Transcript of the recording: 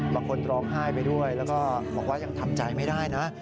ร้องไห้ไปด้วยแล้วก็บอกว่ายังทำใจไม่ได้นะ